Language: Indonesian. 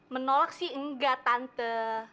menolak sih enggak tante